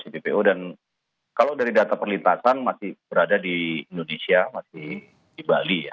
dan kalau dari data perlintasan masih berada di indonesia masih di bali